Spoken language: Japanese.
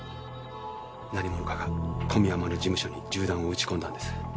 何者かが小宮山の事務所に銃弾を撃ち込んだんです。